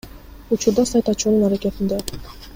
Учурда сайт ачуунун аракетинде.